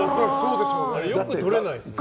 よく取れないですね。